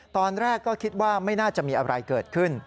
ตอนแรกก็คิดว่าไม่น่าจะมีอะไรเกิดขึ้น